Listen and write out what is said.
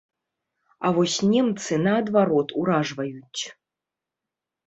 А вось немцы наадварот уражваюць.